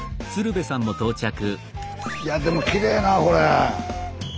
いやでもきれいなこれ。